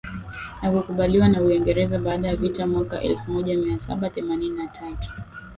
na kukubaliwa na Uingereza baada ya vita mwaka elfumoja miasaba themanini na tatu